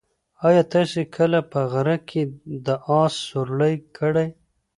ایا تاسي کله په غره کې د اس سورلۍ کړې؟